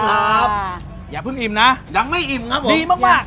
ครับอย่าเพิ่งอิ่มนะยังไม่อิ่มครับผมดีมากมาก